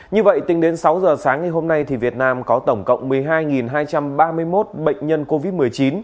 như vậy tính đến sáu giờ sáng ngày hôm nay việt nam có tổng cộng một mươi hai hai trăm ba mươi một bệnh nhân covid một mươi chín